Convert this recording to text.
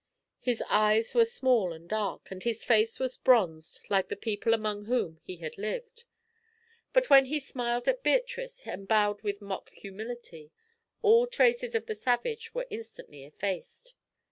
His eyes were small and dark, and his face was bronzed like the people among whom he had lived; but when he smiled at Beatrice and bowed with mock humility, all traces of the savage were instantly effaced.